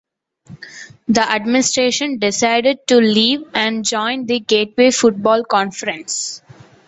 The administration decided to leave and joined the Gateway Football Conference.